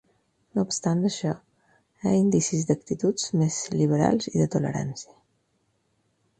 No obstant això, hi ha indicis d'actituds més liberals i de tolerància.